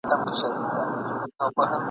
هره شېبه درس د قربانۍ لري ..